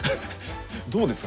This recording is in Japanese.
どうですか？